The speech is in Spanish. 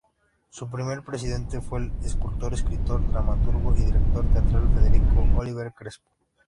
Su primer presidente fue el escultor, escritor, dramaturgo y director teatral Federico Oliver Crespo.